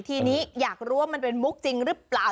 ทีนี้อยากรู้ว่ามันเป็นมุกจริงหรือเปล่า